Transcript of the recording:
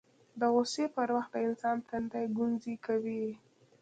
د غوسې پر وخت د انسان تندی ګونځې کوي